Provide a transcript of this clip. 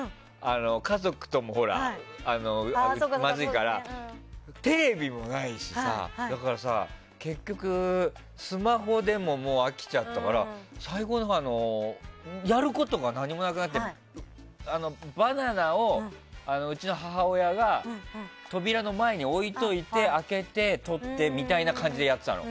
家族と気まずいからテレビもないしさだからさ、結局スマホでも飽きちゃったから最後のほうやることが何もなくなってバナナをうちの母親が扉の前に置いておいて開けて、取ってみたいな感じでやってたの。